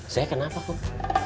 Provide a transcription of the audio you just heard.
saya kenapa kum